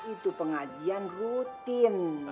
itu pengajian rutin